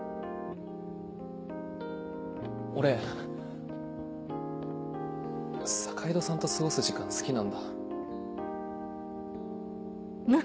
俺坂井戸さんと過ごす時間好きなんだ。